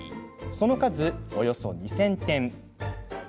その数およそ２０００点。